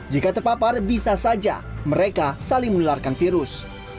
jika terpapar bisa saja mereka saling menularkan virus